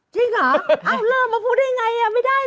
จริงหรออ้าวเริ่มมาพูดยังไงอ่ะไม่ได้แล้ว